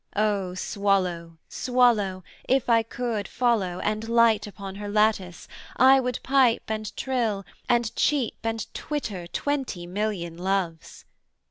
'O Swallow, Swallow, if I could follow, and light Upon her lattice, I would pipe and trill, And cheep and twitter twenty million loves.